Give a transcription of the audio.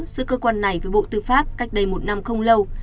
giữa cơ quan này với bộ tư pháp cách đây một năm không lâu